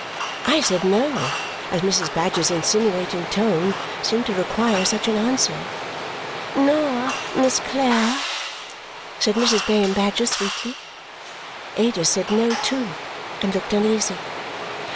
I said no, as Mrs. Badger's insinuating tone seemed to require such an answer. "Nor Miss Clare?" said Mrs. Bayham Badger sweetly. Ada said no, too, and looked uneasy.